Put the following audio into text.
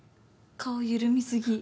顔緩み過ぎ。